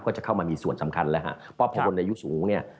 ก็จะเข้ามามีส่วนสำคัญแล้วครับเพราะว่าคนอายุสูง